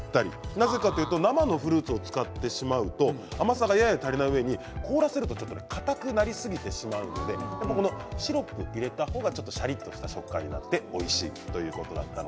なぜかというと生のフルーツを使ってしまうと甘さがやや足りないうえに凍らせるとかたくなりすぎてしまうのでシロップを入れた方がシャリっとした食感になっておいしいということでした。